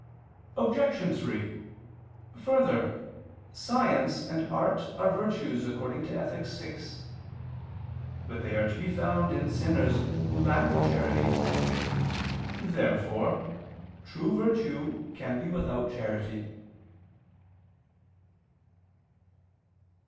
Obj. 3: Further, science and art are virtues, according to Ethic. vi. But they are to be found in sinners who lack charity. Therefore true virtue can be without charity.